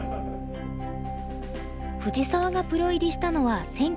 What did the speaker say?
藤澤がプロ入りしたのは１９８１年。